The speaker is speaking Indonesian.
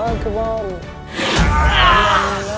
kau akan diserang kami